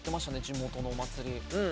地元のお祭り。